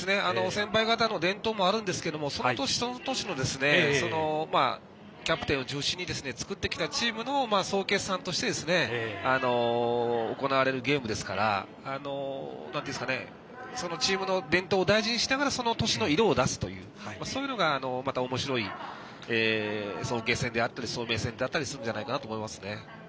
先輩方の伝統もあるんですがその年、その年のキャプテンを中心に作ってきたチームの総決算として行われるゲームですからチームの伝統を大事にしながらその年の色を出すというそういうのがおもしろい早慶戦であったり早明戦であったりするんではないかと思います。